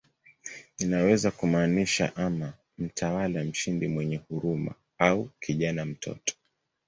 Inaweza kumaanisha ama "mtawala mshindi mwenye huruma" au "kijana, mtoto".